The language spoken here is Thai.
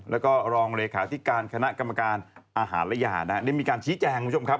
แล้วก็รองเลขาธิการคณะกรรมการอาหารและยานะฮะได้มีการชี้แจงคุณผู้ชมครับ